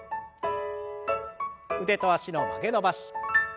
腕と脚の曲げ伸ばし。